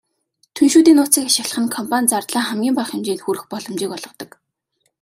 Түншүүдийн нууцыг ашиглах нь компани зардлаа хамгийн бага хэмжээнд хүргэх боломж олгодог.